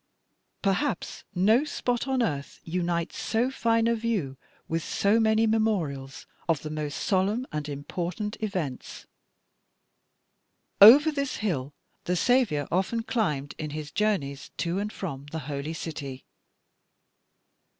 Perhaps no spot on earth unites so fine a view with so many memorials of the most solemn and important events. Over this hill the Saviour often climbed in his journeys to and from the Holy City.